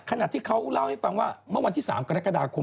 ขณะที่เขาเล่าให้ฟังว่าเมื่อวันที่๓กรกฎาคม